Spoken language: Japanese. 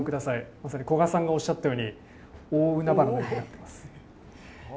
まさに古賀さんがおっしゃったように大海原のようになっています。